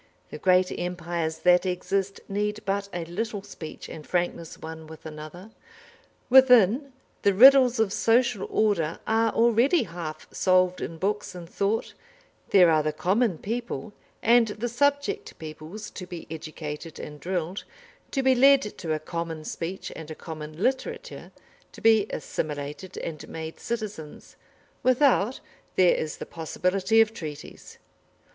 The great empires that exist need but a little speech and frankness one with another. Within, the riddles of social order are already half solved in books and thought, there are the common people and the subject peoples to be educated and drilled, to be led to a common speech and a common literature, to be assimilated and made citizens; without, there is the possibility of treaties.